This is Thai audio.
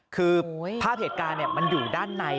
คือภาพเหตุการณ์เนี่ย